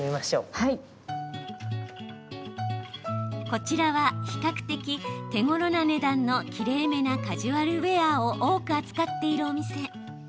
こちらは比較的手ごろな値段のきれいめなカジュアルウェアを多く扱っているお店。